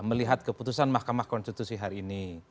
melihat keputusan mahkamah konstitusi hari ini